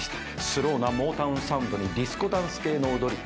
スローなモータウン・サウンドにディスコダンス系の踊り。